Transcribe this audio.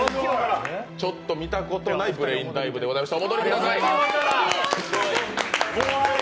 ちょっと見たことないブレインダイブでした。